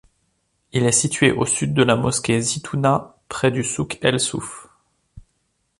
Il est situé au sud de la mosquée Zitouna, près du souk El Souf.